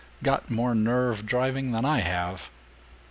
Got more nerve driving than I have!)